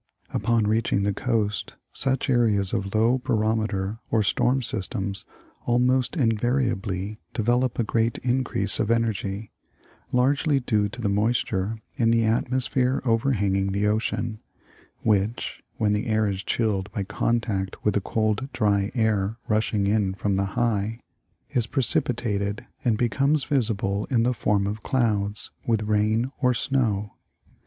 Upon reaching the coast, such areas of low barometei*, or storm systems, almost invariably develop a great increase of energy, largely due to the moisture in the atmosphere overhanging the ocean, which, when the air is chilled by contact with the cold dry 'air rushing in from the "high," is precipitated and becomes visible in the form of clouds, with rain or snow.